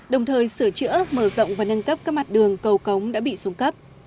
đồng thời sửa chữa mở rộng và nâng cấp các mặt đường cầu cống đã bị xuống cấp